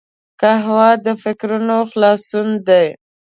قهوه د فکرونو خلاصون دی